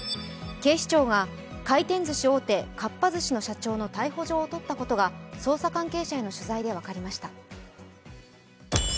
警視庁が回転ずし大手・かっぱ寿司の社長の逮捕状を取ったことが捜査関係者への取材で分かりました。